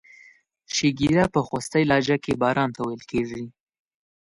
شیګیره په خوستی لهجه کې باران ته ویل کیږي.